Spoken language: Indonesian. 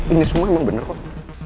ini semua emang bener kok